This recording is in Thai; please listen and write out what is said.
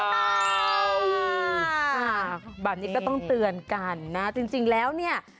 แบบนี้ก็ต้องเตือนกันนะจริงแล้วเนี่ย